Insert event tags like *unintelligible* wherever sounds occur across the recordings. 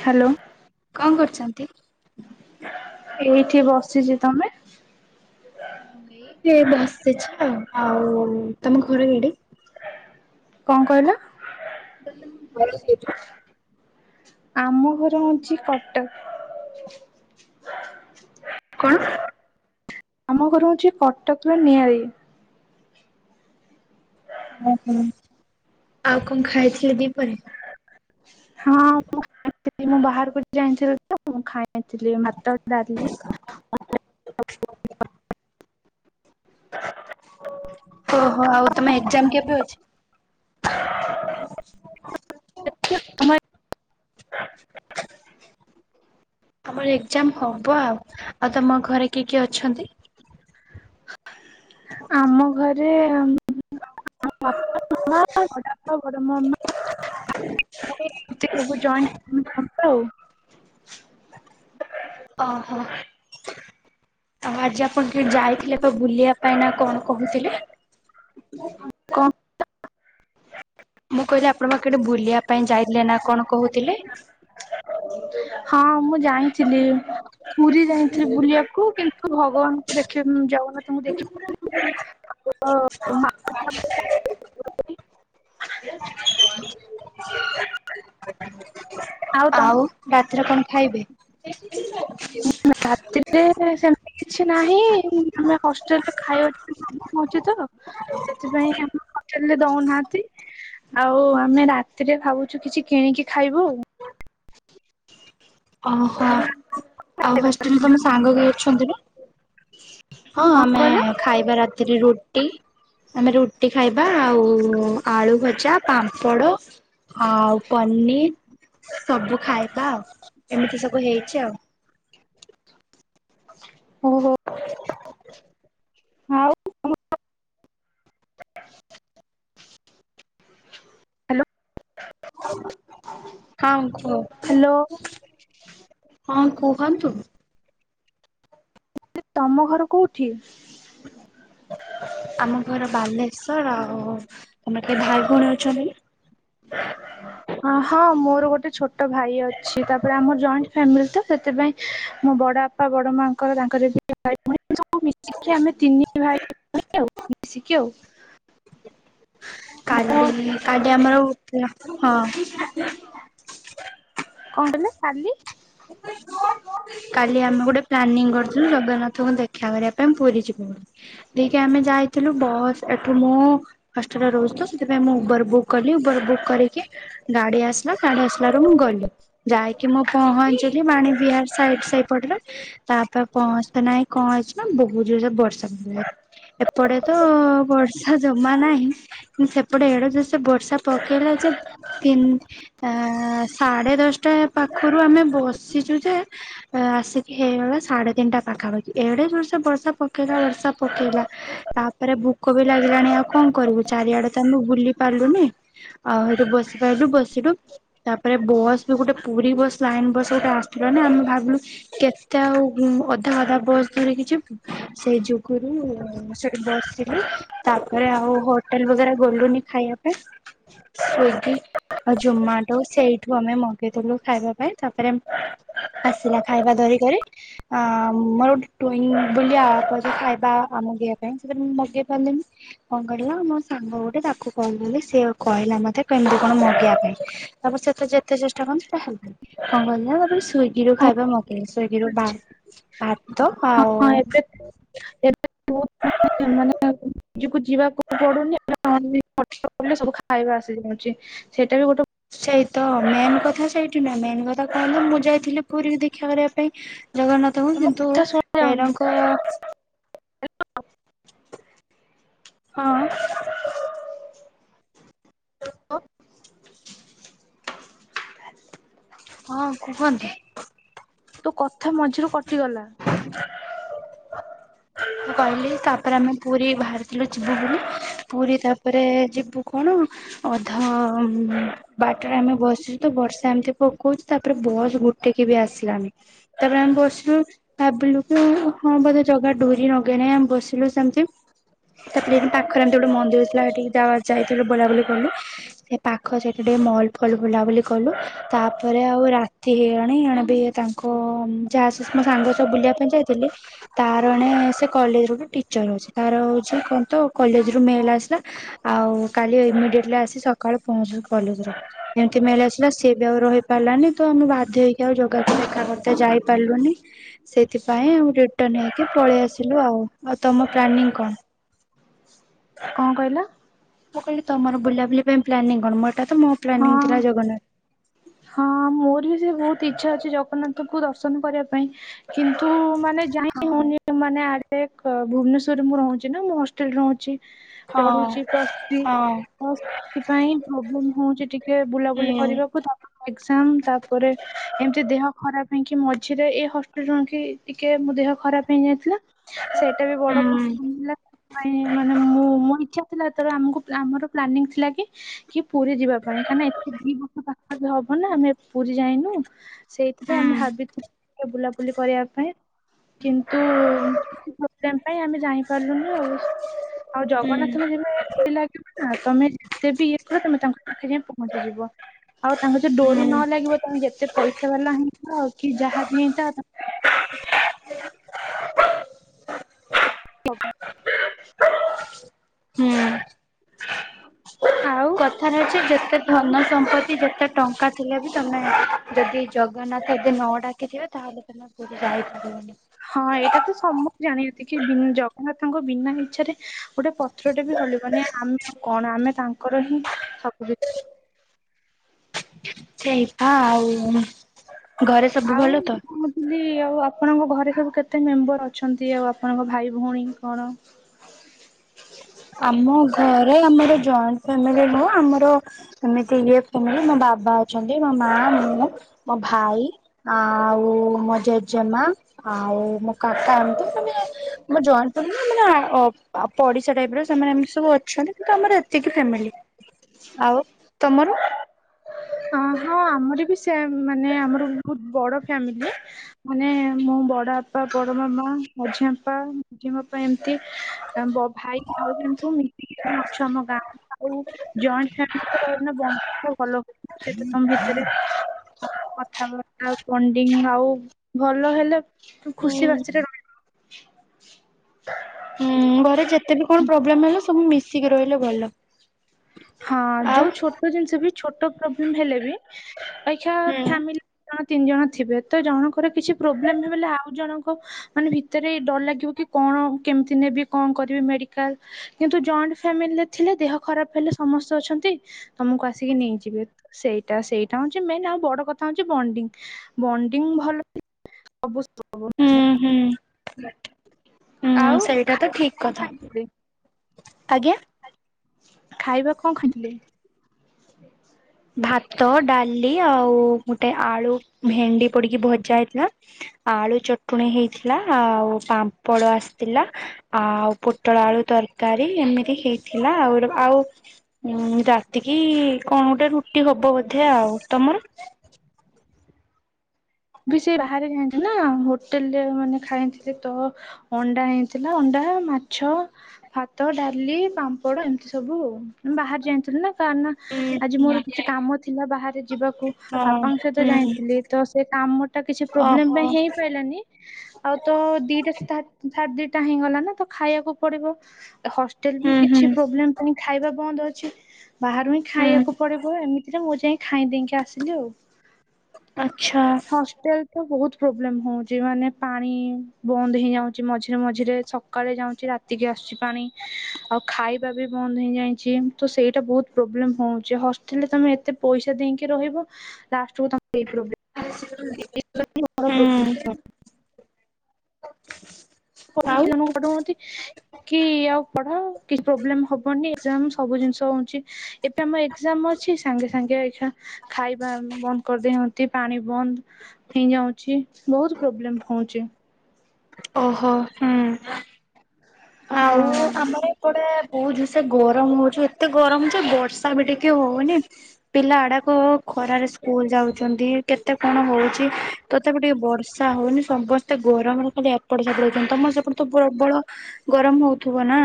Hello କଣ କରୁଛନ୍ତି? ଏଇଠି ବସିଚି ତମେ। ଏଇଠି ବସିଚି ଆଉ ଆଉ ତମ ଘରେ ଏଡେ। କଣ କହିଲ। *unintelligible* ଆମ ଘର ହଉଚି କଟକ। କଣ। ଆମ ଘର ହଉଚି କଟକର ନିଆଳି। ଓହୋ ଆଉ କଣ ଖାଇଥିଲେ ଦିପହରେ। ହଁ ମୁଁ *unintelligible* ବାହାରକୁ *unintelligible* *unintelligible* ଭାତ ଡାଲି *unintelligible* ଓହୋ ଆଉ ତମ ଏକ୍ଜାମ କେବେ ଅଛି। *unintelligible* ଆମର ଏକ୍ଜାମ ହବ ଆଉ ଆଉ ତମ ଘରେ କିଏ କିଏ ଅଛନ୍ତି। ଆମ ଘରେ *unintelligible* *unintelligible* ଓହୋ ଆଉ ଆଜି ଆପଣ କେ ଯାଇଥିଲେ ତ ବୁଲିବା ପାଇଁ ନା କଣ କହୁଥିଲେ। *unintelligible* ମୁଁ କହିଲି ଆପଣ ବା କେଟେ ବୁଲିବା ପାଇଁ ଯାଇଥିଲେ ନା କଣ କହୁଥିଲେ। ହଁ ମୁଁ ଯାଇଁଥିଲି ପୁରୀ ଯାଇଁଥିଲି ବୁଲିବାକୁ କିନ୍ତୁ କୁ ଭଗବାନଙ୍କୁ ଦେଖି ବ ଯାଉ *inaudible* ଆଉ ରାତିରେ କଣ ଖାଇବେ। ରାତିରେ ସେମତି କିଛି ନାହିଁ ଆମେ ହଷ୍ଟେଲରେ ଖାଇବା ଟିକେ ହଉଛି ତ ସେଥିପାଇଁ ଆମ ହୋଟେଲରେ ଦଉନାହାନ୍ତି। ଆଉ ଆମେ ରାତିରେ ଭାବୁଛୁ କିଛି କିଣିକି ଖାଇବୁ। ଓ ହ। ଆଉ ହଷ୍ଟେଲରେ ତମ ସାଙ୍ଗ କେ ଅଛନ୍ତି ନା ହଁ କଣ ଆମେ କହିଲ ଖାଇବା ରାତିରେ ରୁଟି। ଆମେ ରୁଟି ଖାଇବା ଆଉ ଆଳୁ ଭଜା ପାମ୍ପଡ଼ ଆଉ ପନିର ସବୁ ଖାଇବା ଆଉ ଏମିତି ସବୁ ହେଇଛି ଆଉ। ହଉ ହଉ ଆଉ। ହ୍ୟାଲୋ କଁ କୁହ ହ୍ୟାଲୋ ହଁ କୁହନ୍ତୁ। ତମ ଘର କୋଉଠି। ଆମ ଘର ବାଲେଶ୍ଵର ଆଉ ତମର କେ ଭାଇ ଭଉଣୀ ଅଛନ୍ତି। ହଁ ହଁ ମୋର ଗୋଟେ ଛୋଟ ଭାଇ ଅଛି ତାପରେ ଆମର ଜଏଣ୍ଟ ଫ୍ୟାମିଲି ତ ସେଥିପାଇଁ ମୋ ବଡ ବା ପା ବଡ଼ ମାଙ୍କର ତାଙ୍କର ବି *unintelligible* ଆଉ କାଲି କାଲି ଆମର ଉପମା ହଁ। କଣ କହିଲେ କାଲି କାଲି ଆମେ ଗୋଟେ ପ୍ଲାନିଂ କରିଥିଲୁ ଜଗାନାଥଙ୍କୁ ଦେଖ୍ କ୍ଷା କରିବା ପାଇଁ ପୁରୀ ଯିବୁ ବୋଲି ତିଇକି ଆମେ ଯାଇଥିଲୁ ବସ୍ ଏଠୁ ମୁଁ ହଷ୍ଟେଲ୍‌ରେରଉଚି ତ ସେଥିପାଇଁ ମୁଁ ଉବର ବୁକ୍ କଲି ଉବର ବୁକ୍ କରିକି ଗାଡି ଆସିଲା ଗାଡି ଆସିଲାରୁ ମୁଁ ଗଲି ଯାଇକି ମୁଁ ପହ କି ମାଣ ବିହାର ସାଇଟ୍ ସେଇପଟରେ ତା ତାପହଞ୍ଚତେ ନାହିଁ କଣ ହେଇଚି ନା ବହୁତ ଜୋର୍ ବର୍ଷା ସେପଟେ ଏଡେ ଯୋସେ ବର୍ଷା ପକେଇଲା ଯେ ତିନ୍ ଆଁ ସାଢ଼େ ଦଶଟା ପାଖୁରୁ ଆମେ ବସିଚୁ ଯେ। ଆ ଆସିକି ହେଇଗଲା ସାଡେ ତିନିଟା ପାଖାପାଖି ଏଡେ ଜୋର୍ଷ ବର୍ଷା ପକେଇଲା ବର୍ଷା ପକେଇଲା ତାପରେ ଭୁକ ବି ଲାଗିଲାଣି ଆଉ କଣ କରିବୁ ଚାରିଆଡେ ତ ଆମେ ବୁଲି ପାରିଲୁନି। ଆଉ ହେଟୁ ବସିପାଇଲୁ ବସିଲୁ ତାପରେ ବସ୍ ବି ଗୋଟେ ପୁରୀ ବସ୍ ଲାଇନ୍‌ ବସ୍ କୋଉଟା ଆସିଥିଲ ନା ଆମେ ଭାବିଲୁ କେତେ ଆଉ ଉଁ ଅଧା ଅଧା ବସ୍ ଧରି କିଛି ସେଇ ଯୁଗୁରୁ ସେଠି ବସିଲି ତାପରେ ଆଉ ବ ହୋଟେଲ ବଗେରା ଗୋଲୁନି ଖାଇବା ପାଇଁ। ସ୍ଵିଗି ଆଉ ଜୋମାଟୋ ସେଇଠୁ ଆମେ ମଗେଇଦେଲୁ ଖାଇବା ପାଇଁ ତାପରେ ଆସିଲା ଖାଇବା ଧରିକରି। ଆ ମୋର ଗୋଟେ ଟୁଇଁ ବୋଲି ଆପ ଅଛି ଖାଇବା ଆମଗେଇବା ପାଇଁ ସେଥିରେ ମୁଁ ମଗେଇ ପାରିଲିନି। କଣ କରିବା ମୋ ସାଙ୍ଗ ଗୋଟେ ତାକୁ କହିଦେଲି ସିଏ କହିଲା ମତେ କେମିତି କଣ ମଗେଇିବା ପାଇଁ। ତାପରେ ସେଟା ଯେତେ ଚେଷ୍ଟା କନି ସେଇଟା ହେଇ ପାଇ କଁ କହି ମୁଁ ଭାବିଲି ସ୍ଵିଡି ରୁ ଖାଇବା ମଗେଇ ସ୍ଵିଡି ରୁ ଭା-ଭାତ ହଁ ଆଉ ଏବେ ଏବେ ବୋହୁତ ମାନେ ମାନେ ନିଜକୁ ଯିବାକୁ ପଡୁନି ମାନେ *unintelligible* ଡ଼ର କଲେ ସବୁ ଖାଇବା ଆସି ଯାଉଚି ସେଇଟା ବି ଗୋଟେ ସେଇ ତ ମେନ୍ କଥା ସେଇଠି ନା ମେନ୍ କଥା କହିଲୁ ମୁଁ ଯାଇଥିଲି ପୁରୀ ଦେଖା କରିବା ପାଇଁ। ଜଗନ୍ନାଥଙ୍କୁ ତମ କିନ୍ତୁ କଥା ଶୁଣା ଯାଉନି ବେରଙ୍କ ହଁ। ହଁ କୁ କୁହନ୍ତ। ତୋ କଥା ମଝିରୁ କଟିଗଲା। ମୁଁ କହିଲି ତାପରେ ଆମେ ପୁରୀ ବାହାରିଥିଲୁ ଯିବୁ ବୁଲି ପୁରୀ ତାପରେ ଯିବୁ। କଣ ଅଧ ବାଟ୍ରେ ଆମେ ବସିଚୁ ତ ବର୍ଷା ଏମିତି ପ କଉଚି ତାପରେ ବସ୍ ଗୋଟେକି ବି ଆସିଲାନି। ତାପରେ ଆମେ ବସିଲୁ ଭାବିଲୁ କି ହଁ ବୋଧେ ଜଗା ଗି ରାଗେନାଇଁ ଆମେ ବସିଲୁ ସେମିତି। ତାପରେ ଏଇ ପାଖରେ ଏମତି ଗୋଟେ ମନ୍ଦିର ଥିଲା ହେଟିକି ଯା ଯାଇଥିଲୁ ବୁଲାବୁଲି କଲୁ। ସେ ପାଖ ସେଠି ଟିକେ ମଲ୍ ଫଲ ବୁଲାବୁଲି କଲୁ ତାପରେ ଆଉ ରା ତି ହେଇଗଲାଣି ଏଣେ ବି ତାଙ୍କ ଯାଆ ସ ମୋ ସାଙ୍ଗ ସଅ ବୁଲିବା ପାଇଁ ଯାଇଥିଲି ତାର ଏଣେ ସେ କଲେଜରୁ ବି ଟିଚର୍ ଅଛି ତାର ହଉଚି କଣ ତ କଲେଜରୁ ମେଲ୍ ଆସିଲା। ଆଉ କାଲି ଇମିଡିଏଟଲି ଆସି ସକାଳୁ ପହଞ୍ଚ କଲେଜ ରେ। ଏନ୍ତି ମେଲ୍‌ ଆସିଲା ସିଏ ବି ଆଉ ରହି ପାରିଲାନି ତ ମୁଁ ବାଧ୍ୟ ହେଇକି ଆଉ ଜୋଗା କୁ ଦେଖାକରି ତ ଯାଇପାରିଲୁନି। ସେଇଥିପାଇଁ ଆଉ ରିଟନ୍‌ ହେଇକି ପଳେଇ ଆସିଲୁ ଆଉ ଆଉ ତମ ପ୍ଲାନିଂ କଣ? କଣ କହିଲ? ମୁଁ କହିଲି ତମର ବୁଲାବୁଲି ପାଇଁ ପ୍ଲାନିଂ କଣ ମୋ ଏଟା ତ ମୋ ହଁ ପ୍ଲାନିଙ୍ଗ ଥିଲା ଜଗନ୍ନାଥ୍ ହଁ ମୋର ବି ସେଇ ବହୁତ ଇଛା ଅଛି ଜଗନ୍ନାଥକୁ ଦର୍ଶନ କରିବା ପାଇଁ। କିନ୍ତୁ ମାନେ ଯାଇ ହଁ ହଉନି। ମାନେ ଆଡେ କ ଭୁବନେସ୍ଵରରେ ମୁଁ ରହୁଚି ନା ମୁଁ ହଷ୍ଟେଲରେ ରହୁଛି। ହଁ ପଢୁଚି ପ୍ଲସ ଥ୍ରି। ହଁ ସେଥିପାଇଁ ପ୍ରୋବ୍ଲେମ ହଉଚି ଟିକେ ହୁଁ ବୁଲାବୁଲି କରିବାକୁ। ଏକ୍ସାମ୍ ତାପରେ ଏମିତି ଦେହ ଖରାପ ହେଇକି ମଝିରେ ଏ ହଷ୍ଟେଲରୁକି ଟିକେ ମୋ ଦେହ ଖରାପ ହେଇଯାଇଥିଲା। ସେଇଟା ବି ବଡ ହୁଁ କମିଲାନି ସେଇଥିପାଇଁ ମାନେ ମୁଁ ମୋ ଇଛା। ଥିଲା ଏତେ ବଳୁ ଆମକୁ ଆମର ପ୍ଲାନିଂ ଥିଲା କି କି ପୁରୀ ଯିବା ପାଇଁ କାଇଁ ନା ଦି ବର୍ଷ ପାଖା ପାଖା ହବ ନା ଆମେ ପୁରୀ ଯାଇନୁ ସେଇଥିପାଇଁ ହୁଁ ଆମେ ଭାବିଥିଲୁ? ବୁଲାବୁଲି କରିବା ପାଇଁ କିନ୍ତୁ *inaudible* ପାଇଁ ଆମେ ଜାଣିପାରିଲୁନି ଆଉ ଆଉ ହୁଁ ଜଗନ୍ନାଥଙ୍କ ଯେବେ ଡୋରି ଲାଗିବ ନା ତମେ ସେବି ଇଏ କରେ ତମେ ତାଙ୍କ ପାଖେ ଯାଇ ପହଞ୍ଚିଯିବ। ଆଉ ତାଙ୍କର ଯଦି ଡୋରି ହୁଁ ନ ଲାଗିବ ତମେ ଯେତେ ପଇସା ବାଲା ହେଇଥା କି ଯାହାବି ହେଇଥାଅ *inaudible* ହୁଁ। ଆଉ କଥାରେ ଅଛି ଯେତେ ଧନ ସମ୍ପତ୍ତି ଯେତେ ଟଙ୍କା ଥିଲେ ବି ତମେ ଯଦି ଜଗନ୍ନାଥ ଯଦି ନ ଡାକିଥିବ ତାହେଲେ ତମେ ପୁରୀ ଯାଇପାରିବନି। ହଁ ଏଇଟା ତ ସ ତ ମୁଁ ଜାଣନ୍ତି କି ଜଗନ୍ନାଥଙ୍କ ବିନା ଇଚ୍ଛାରେ ଗୋଟେ ପତ୍ରଟେ ବି ହଲିବନି ଆମେ ଆଉ କଣ? କଣ ଆମେ ତାଙ୍କର ହିଁ ସବୁକିଛି *inaudible* ତ ଆଉ ଘରେ ସବୁ ଆଉ ଭଲ ତ? ମୁଁ ଆଉ ଆପଣଙ୍କ ଘରେ ସବୁ କେତେ ମେମ୍ବର ଅଛନ୍ତି ଆଉ ଆପଣଙ୍କ ଭାଇ ଭଉଣୀ କଣ? ଆମ ଘରେ ଆମର ଜଏଣ୍ଟ ଫ୍ୟାମିଲି ରହୁ ଆମର ସେମିତି ଇଏ ଫୁମି ମୋ ବାବା ଅଛନ୍ତି ମୋ ମା ମୁଁ ମୋ ଭାଇ ଆ ଆଉ ମୋ ଜେଜେମା ଆଉ ମୋ କାକା ଏମତି ମାନେ ମୋ ଜଏଣ୍ଟ ମାନେ ପଡିଶା ଟାଇପର ସେମାନେ ଏମିତି ସବୁ ଅଛନ୍ତି କିନ୍ତୁ ଆମର ଏତିକି ଫ୍ୟାମିଲି ଆଉ ତମର ହଁ ହଁ ଆମର ବି ସେମ୍ ମାନେ ଆମର ବହୁତ ବଡ ଫ୍ୟାମିଲି। ମାନେ ମୁଁ ବଡ ବାପା ବଡ ମାମା ମଝି ଆପା ଝି ବାପା ଏମିତି ଭାଇ ଭାଉଜ ଏମିତି ସବୁ ମିସି କି ଅଛୁ ଆମ ଗାଁ ଆଉ ଜଏଣ୍ଟ ଫ୍ୟାମିଲି ତ ରହିଲେ ବଣ୍ଡିଂଟା ଭଲ ସେତ ତମ ଭିତରେ କଥାବାର୍ତ୍ତା ବଣ୍ଡିଙ୍ଗ ଆଉ ଭଲ ହେଲେ ତୁ ହୁଁ। ଖୁସି ବାସିରେ ରହି ହୁଁ ଘରେ ଯେତେ ବି କଣ ପ୍ରୋବ୍ଲେମ ହେଲା ସବୁ ମିଶିକି ରହିଲେ ଭଲ। ହଁ ଆଉ ଯୋଉ ଛୋଟ ଜିନିଷ ବି ଛୋଟ ପ୍ରୋବ୍ଲେମ ହେଲେ ଅହିକା ହୁଁ ଫ୍ୟାମିଲି ଦି ଜଣ ତିନି ଜଣ ଥିବେ ତ ଜଣଙ୍କର କିଛି ପ୍ରୋବ୍ଲେମ ହେଲେ ଆଉ ଜଣଙ୍କ ମାନେ ଭିତରେ ଡର ଲାଗିବ କି କଣ କେମିତି ନେବି କଣ କରିବି ମେଡିକାଲ କିନ୍ତୁ ଜଏଣ୍ଟ ଫ୍ୟାମିଲିରେ ଥିଲେ ଦେହ ଖରାପ ହେଲେ ସମସ୍ତେ ଅଛନ୍ତି। ତମକୁ ଆସିକି ନେଇଯିବେ ସେଇଟା ସେଇଟା ହଉଛି ମେନ୍ ଆଉ ବଡ କଥା ହଉଛି ବଣ୍ଡିଙ୍ଗ। ବଣ୍ଡିଙ୍ଗ ଭଲ ସବୁ ହୁଁ ହୁଁ। ହୁଁ ଆଉ ସେଇଟା ତ ଠିକ କଥା ଆଜ୍ଞା। ଖାଇବା କଣ ଖାଇଥିଲେ? ଭାତ ଡାଲି ଆଉ ଗୋଟେ ଆଳୁ ଭେଣ୍ଡି ପଡିକି ଭଜା ହେଇଥିଲା। ଆଳୁ ଚଟଣୀ ହେଇଥିଲା ଆଉ ପାମ୍ପଡ଼ ଆସିଥିଲା। ଆଉ ପୋଟଳ ଆଳୁ ତରକାରୀ ଏମିତି ହେଇଥିଲା ଆଉ ଆଉ ଉଁ ରାତିକି କଣ ଗୋଟେ ରୁଟି ହବ ବୋଧେ ଆଉ ତମର ବି ସେ ବାହାରେ ଯାନ୍ତିନା ହୋଟେଲରେ ମାନେ ଖାନ୍ତିନି ସେ ତ ଅଣ୍ଡା ହେଇଥିଲା ଅଣ୍ଡା ମାଛ ଭାତ ଡାଲି ପାମ୍ପଡ ଏମିତି ସବୁ ବାହାରେ ଯାଇଥିଲୁ ନା କା ନା ହୁଁ ଆଜି ମୋର କିଛି କାମ ଥିଲା ବାହାରେ ଯିବାକୁ ହଁ ବାପାଙ୍କ ସହିତ ହୁଁ ଯାଇଥିଲି ତ ସେ କାମଟା କିଛି ପ୍ରୋବ୍ଲେମ ଓହୋ ପାଇଁ ହେଇ ପାରିଲାନି। ଆଉ ତ ଦିଟା ସୁଧା ଦିଟା ହେଇଗଲା। ନା ତ ଖାଇବାକୁ ପଡିବ ହ ହୋଟେଲ ବି ହୁଁ ହୁଁ କିଛି ପ୍ରୋବ୍ଲେ ଖାଇବା ବନ୍ଦ ଅଛି। ବାହାରୁ ହିଁ ହୁଁ। ଖାଇବାକୁ ପଡିବ ଏମିତିରେ ମୁଁ ଯାଇ ଖାଇଁ ଦେଇେକି ଆସିଲି ଆଉ। ଆଛା ହଷ୍ଟେଲ ତ ବହୁତ ପ୍ରୋବ୍ଲେମ ହଉଛି। ମାନେ ପାଣି ବନ୍ଦ ହୋଇଯାଉଛି। ମଝିରେ ମଝିରେ ସକାଳେ ଯାଉଛି ରାତିକି ଆସୁଛି ପାଣି ଆଉ ଖାଇବା ବି ବନ୍ଦ ହୋଇଯାଇଚି। ତ ସେଇଟା ବହୁତ ପ୍ରୋବ୍ଲେମ ହଉଛି ହଷ୍ଟେଲରେ ତମେ ଏତେ ପଇସା ଦେଇକି ରହିବ। ଲାଷ୍ଟ କୁ ତମେ ଏ ପ୍ରୋବ୍ଳେମ *unintelligible* *inaudible* ହୁଁ *inaudible* ଆଉ କି ଆଉ ପଢ କିଛି ପ୍ରୋବ୍ଲେମ ହବନି। ଏ ଗ୍ଜାମ୍ ସବୁ ଜିନିଷ ହଉଛି। ଏବେ ଆମ ଏଗ୍‌ଜାମ୍ମ ଅଛି। ସାଙ୍ଗେ ସାଙ୍ଗେ ଏଇା ଖାଇବା ବନ୍ଦ କରିଦେଇନ୍ତି। ଏ ପାଣି ବନ୍ଦ ହେଇଯାଇଛି। ବହୁତ ପ୍ରୋବ୍ଲେମ୍ ହେଉଛି। ଓହୋ ହୁଁ। ଆଉ ହଁ। ଆମର ଏପଟେ ବହୁତ ଜ୍ରଷେ ଗରମ ହଉଛୁ ଏତେ ଗରମ ହଉଛି ବର୍ଷା ବି ଟିକେ। ହଉନି ପିଲା ଆଡାକ ଖରାରେ। ସ୍କୁଲ ଯାଉଛନ୍ତି କେତେ କ'ଣ ହଉଛି ତଥାପି ଟିକେ ବର୍ଷା। ହଉନି ସମସ୍ତେ ଗରମରେ ଖାଲି ଏପଡ ସାପଡ଼ ହଉଛନ୍ତି ତମର ସେପଟ ତ ପ୍ରବଳ। ଗରମ ହଉଥିବ ନା।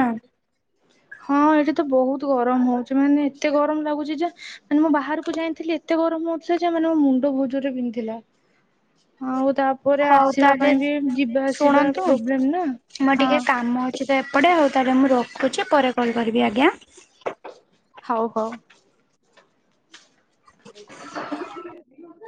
ହଁ ଏଇଠି ତ ବହୁତ ଗରମ ହଉଛି ମାନେ ଏତେ ଗରମ ଲାଗୁଛି ଯେ। ମାନେ ମୁଁ ବାହାରକୁ ଯାଇଥିଲି ଏତେ। ମୁଣ୍ଡ ବହୁତ ଜରେ ବିନ୍ଧିଲା ଆଉ ତା। ପରେ ହଉ ଆସିବା ତାହେଲେ ପାଇଁ ବି ଯିବା ଆସିବା ଶୁଣନ୍ତୁ ପ୍ରୋବ୍ଲେମ୍ ନା ହଁ। କିଚ ତ ଏପଟେ ହଉ ତାହେଲେ ମୁଁ ରଖୁଛି ପରେ କଲ୍ କରିବି ଆଜ୍ଞା। ହଉ ହଉ।